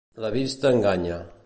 La vista enganya.